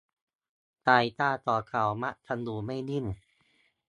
สายตาของเขามักจะอยู่ไม่นิ่ง